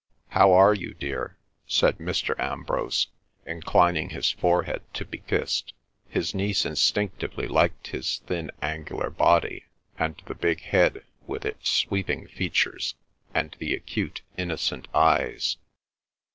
"How are you, dear," said Mr. Ambrose, inclining his forehead to be kissed. His niece instinctively liked his thin angular body, and the big head with its sweeping features, and the acute, innocent eyes.